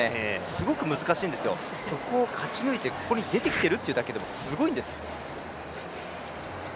すごく難しいんですよ、そこを勝ち抜いて、ここに出てきているというだけでもすごいんです。